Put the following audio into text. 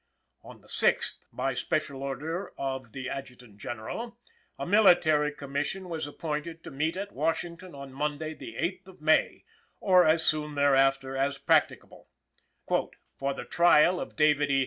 On the sixth, by special order of the Adjutant General, a Military Commission was appointed to meet at Washington on Monday, the eighth day of May, or as soon thereafter as practicable, "for the trial of David E.